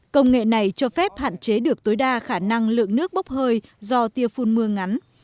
công nghệ này cho phép hạn chế được tối đa khả năng lượng nước bốc hơi do tia phun mưa ngắn